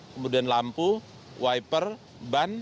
kemudian lampu wiper ban